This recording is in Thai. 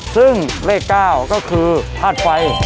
ซึ่งเลข๙ก็คือธาตุไฟ